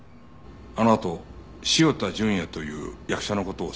あのあと潮田純哉という役者の事を少し調べてみた。